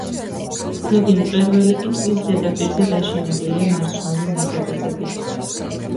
ზოგი მწვერვალი კი წყლის ზედაპირზე დაშენებულია მარჯნული ნაგებობებით.